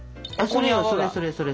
それよそれそれそれ。